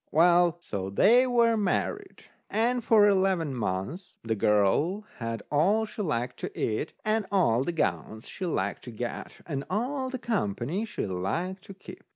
Well, so they were married. And for eleven months the girl had all she liked to eat, and all the gowns she liked to get, and all the company she liked to keep.